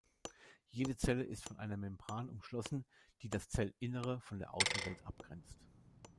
Jede Zelle ist von einer Membran umschlossen, die das Zellinnere von der Außenwelt abgrenzt.